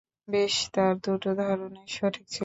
বেশ, তার দুটো ধারণাই সঠিক ছিল।